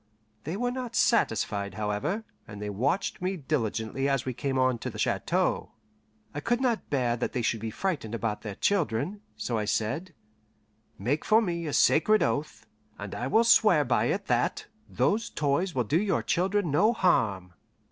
They were not satisfied, however, and they watched me diligently as we came on to the chateau. I could not bear that they should be frightened about their children, so I said: "Make for me a sacred oath, and I will swear by it that those toys will do your children no harm."